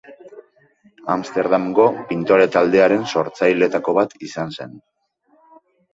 Amsterdamgo pintore-taldearen sortzailetako bat izan zen.